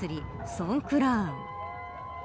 ソンクラーン。